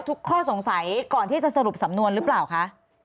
ข้อสงสัยก่อนที่จะสรุปสำนวนหรือเปล่าคะ